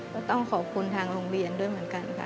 ก็ต้องขอบคุณทางโรงเรียนด้วยเหมือนกันค่ะ